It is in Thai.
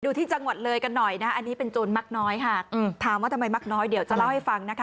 ที่จังหวัดเลยกันหน่อยนะอันนี้เป็นโจรมักน้อยค่ะถามว่าทำไมมักน้อยเดี๋ยวจะเล่าให้ฟังนะคะ